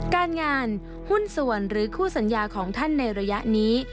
การงานหุ้นส่วนหรือคู่สัญญาของท่านในระยะนี้